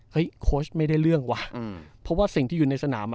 โค้ชไม่ได้เรื่องว่ะเพราะว่าสิ่งที่อยู่ในสนาม